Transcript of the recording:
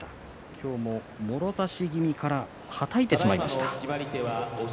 今日ももろ差し気味からはたいてしまいました。